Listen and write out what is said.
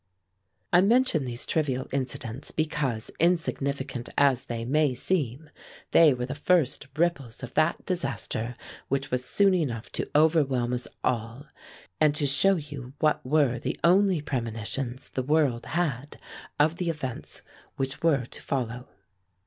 I mention these trivial incidents because, insignificant as they may seem, they were the first ripples of that disaster which was soon enough to overwhelm us all, and to show you what were the only premonitions the world had of the events which were to follow.